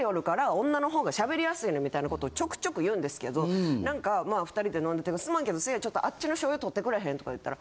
みたいなことをちょくちょく言うんですけどなんかまあ２人で飲んでて「すまんけどせいやちょっとあっちの醤油取ってくれへん？」とか言ったら。